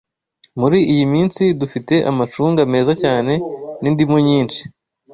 Muri iyi minsi, dufite amacunga meza cyane, n’indimu nyinshi.